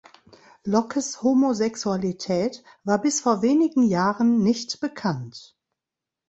Lockes Homosexualität war bis vor wenigen Jahren nicht bekannt.